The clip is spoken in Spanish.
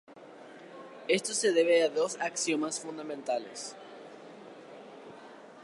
Esto se debe a dos axiomas fundamentales.